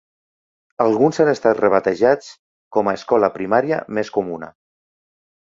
Alguns han estat rebatejats com a "escola primària" més comuna.